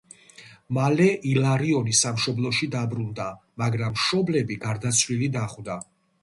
მალე ილარიონი სამშობლოში დაბრუნდა, მაგრამ მშობლები გარდაცვლილი დახვდა.